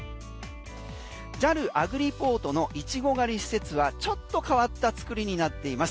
ＪＡＬＡｇｒｉｐｏｒｔのイチゴ狩り施設はちょっと変わった作りになっています。